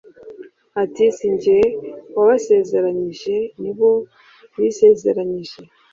Ati “Sinjye wabasezeranyije nibo bisezeranyije